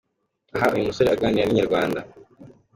Aha uyu musore aganira na Inyarwanda.